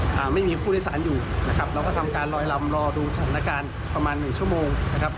ทีนี้พอมันเกิดข้ามลง